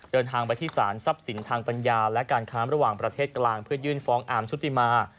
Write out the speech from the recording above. เดินทางไปที่สารทรัพย์สินทางปัญญาและการค้าระหว่างประเทศกลางเพื่อยื่นฟ้องอาร์มชุติมา